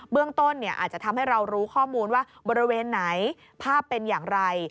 เรื่องต้นอาจจะทำให้เรารู้ข้อมูลว่าบริเวณไหนภาพเป็นอย่างไร